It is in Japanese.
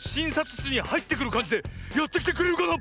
しつにはいってくるかんじでやってきてくれるかな？